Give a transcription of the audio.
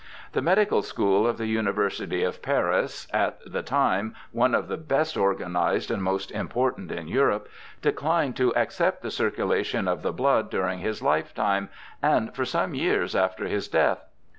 The Medical School of the University of Paris, at the time one of the best organized and most important in Europe, declined to accept the circulation of the blood during his lifetime and for some years after his death.